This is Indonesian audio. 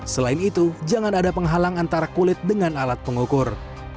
selain itu jangan ada penghalang antara kulit dengan alat pengukur